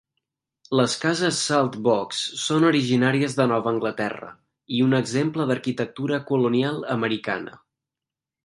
Les cases saltbox són originàries de Nova Anglaterra i un exemple d'arquitectura colonial americana.